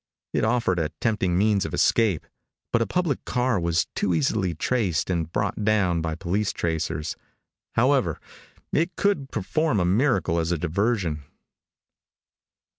It offered a tempting means of escape, but a public car was too easily traced and brought down by police tracers. However, it could perform a miracle as a diversion.